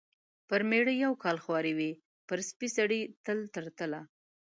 پر مېړه یو کال خواري وي ، پر سپي سړي تل تر تله .